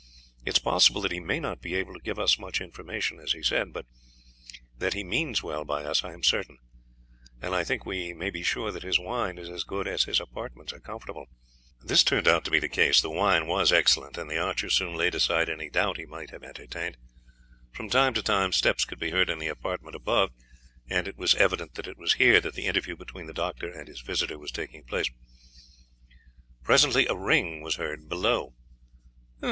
It is possible that he may not be able to give us as much information as he said, but that he means well by us I am certain; and I think we may be sure that his wine is as good as his apartments are comfortable." This turned out to be the case; the wine was excellent, and the archer soon laid aside any doubt he might have entertained. From time to time steps could be heard in the apartment above, and it was evident that it was here that the interview between the doctor and his visitor was taking place. Presently a ring was heard below.